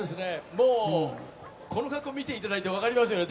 もう、この格好を見ていただいて分かりますよね。